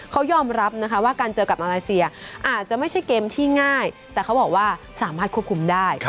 เขายอมรับนะคะว่าการเจอกับมาเลเซียอาจจะไม่ใช่เกมที่ง่ายแต่เขาบอกว่าสามารถควบคุมได้